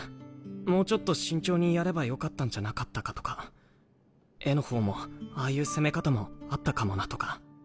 もうちょっと慎重にやればよかったんじゃなかったかとか絵の方もああいう攻め方もあったかもなとか。